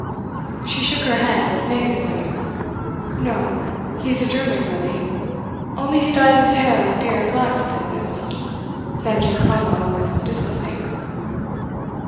She shook her head negatively. "No. He is a German really; only he dyes his hair and beard black for business. Zangiacomo is his business name."